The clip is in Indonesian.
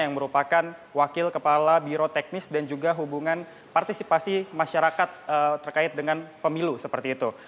yang merupakan wakil kepala biro teknis dan juga hubungan partisipasi masyarakat terkait dengan pemilu seperti itu